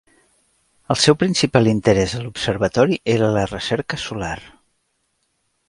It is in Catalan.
El seu principal interès a l'observatori era la recerca solar.